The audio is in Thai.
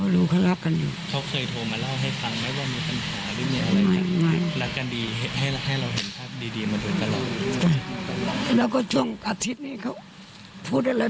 แล้วแม่ก็เลยบอกว่าว่าแม่เกลียดแล้ว